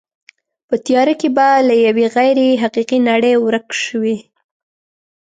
په تیاره کې به له یوې غیر حقیقي نړۍ ورک شوې.